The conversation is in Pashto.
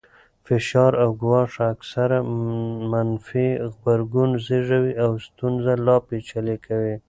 فشار او ګواښ اکثراً منفي غبرګون زېږوي او ستونزه لا پېچلې کوي.